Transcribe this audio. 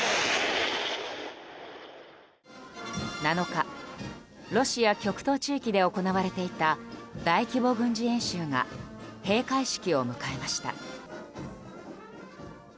７日、ロシア極東地域で行われていた大規模軍事演習が閉会式を迎えました。